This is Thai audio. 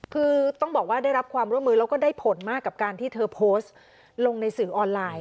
คือต้องบอกว่าได้รับความร่วมมือแล้วก็ได้ผลมากกับการที่เธอโพสต์ลงในสื่อออนไลน์